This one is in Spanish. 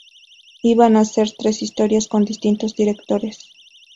Iban a ser tres historias con distintos directores.